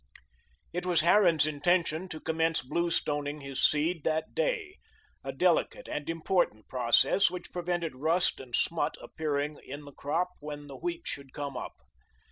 It was Harran's intention to commence blue stoning his seed that day, a delicate and important process which prevented rust and smut appearing in the crop when the wheat should come up.